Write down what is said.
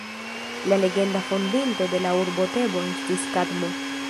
La legenda fondinto de la urbo Tebo estis Kadmo.